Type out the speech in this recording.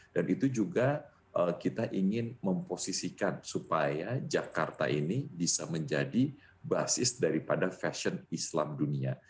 dan itu juga kita ingin memposisikan supaya jakarta ini bisa menjadi basis daripada fashion islam dunia